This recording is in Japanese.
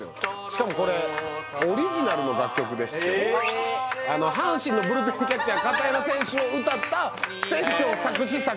しかもこれオリジナルの楽曲でしてブルペンキャッチャーを歌った？